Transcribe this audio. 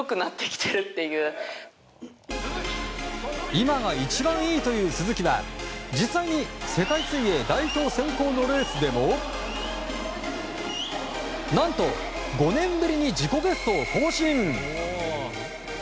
今が一番良いという鈴木は実際に世界水泳代表選考のレースでも何と５年ぶりに自己ベストを更新！